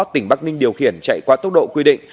tỉnh bắc ninh điều khiển chạy qua tốc độ quy định